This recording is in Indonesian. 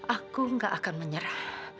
aku gak akan menyerah